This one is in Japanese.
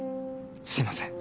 すいません。